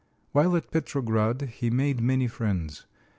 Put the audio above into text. While at Petrograd he made many friends.